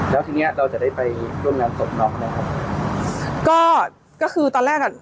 แล้วทีเนี้ยเราจะได้ไปร่วมงานศพน้องนะครับก็ก็คือตอนแรกอ่ะ